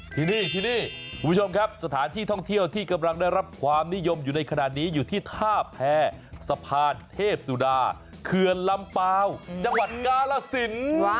ที่นี่ที่นี่คุณผู้ชมครับสถานที่ท่องเที่ยวที่กำลังได้รับความนิยมอยู่ในขณะนี้อยู่ที่ท่าแพรสะพานเทพสุดาเขื่อนลำเปล่าจังหวัดกาลสินครับ